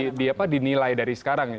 itu harus ditentukan dinilai dari sekarang